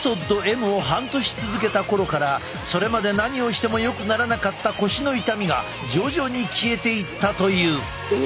Ｍを半年続けた頃からそれまで何をしてもよくならなかった腰の痛みが徐々に消えていったという。え！？